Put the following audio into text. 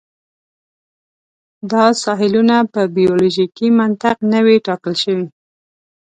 دا ساحلونه په بیولوژیکي منطق نه وې ټاکل شوي.